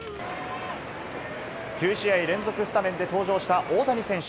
９試合連続スタメンで登場した大谷選手。